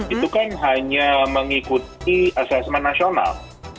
itu kan hanya mengikuti asesmen nasional